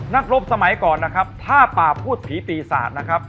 รบสมัยก่อนนะครับถ้าป่าพูดผีปีศาจนะครับ